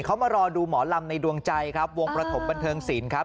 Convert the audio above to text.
เขามารอดูหมอลำในดวงใจครับวงประถมบันเทิงศิลป์ครับ